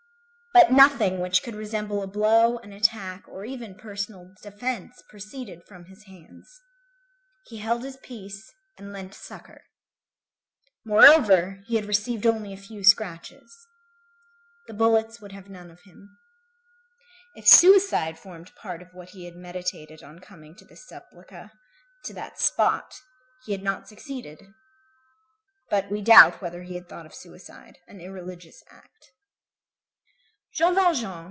But nothing which could resemble a blow, an attack or even personal defence proceeded from his hands. He held his peace and lent succor. Moreover, he had received only a few scratches. The bullets would have none of him. If suicide formed part of what he had meditated on coming to this sepulchre, to that spot, he had not succeeded. But we doubt whether he had thought of suicide, an irreligious act.